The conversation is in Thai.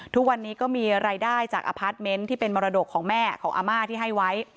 ทุกวันนี้ก็มีรายได้จากอพาร์ทเมนต์ที่เป็นมรดกของแม่ของอาม่าที่ให้ไว้